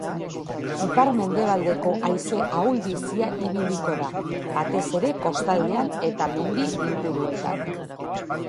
Ipar-mendebaldeko haize ahul-bizia ibiliko da, batez ere kostaldean eta mendi inguruetan.